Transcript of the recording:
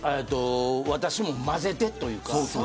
私もまぜてというか。